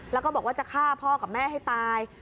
แล้วก็บอกว่าจะฆ่าพ่อกับแม่ให้ตาย